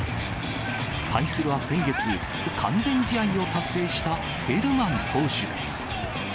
対するは先月、完全試合を達成したヘルマン投手です。